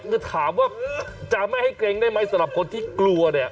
คือถามว่าจะไม่ให้เกรงได้ไหมสำหรับคนที่กลัวเนี่ย